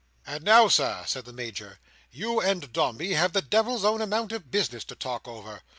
"And now, Sir," said the Major, "you and Dombey have the devil's own amount of business to talk over."